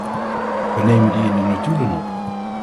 We nemen die in de notulen op.